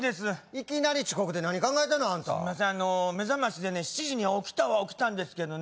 いきなり遅刻って何考えてんのアンタすみません目覚ましでね７時に起きたは起きたんですけどね